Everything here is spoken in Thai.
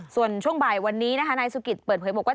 ส่วนช่วงบ่ายวันนี้นะคะนายสุกิตเปิดเผยบอกว่า